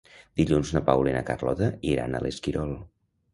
Dilluns na Paula i na Carlota iran a l'Esquirol.